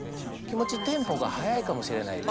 気持ちテンポが速いかもしれないです。